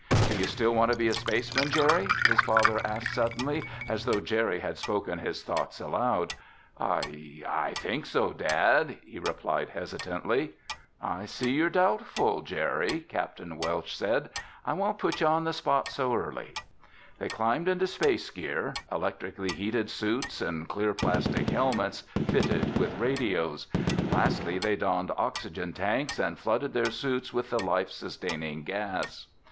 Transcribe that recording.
"Do you still want to be a spaceman, Jerry?" his dad asked suddenly, as though Jerry had spoken his thoughts aloud. "I—I think so, Dad," he replied hesitantly. "I see you're doubtful, Jerry," Capt. Welsh said. "I won't put you on the spot so early." They climbed into space gear—electrically heated suits and clear plastic helmets fitted with radios. Lastly they donned oxygen tanks and flooded their suits with the life sustaining gas.